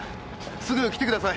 すぐ来てください！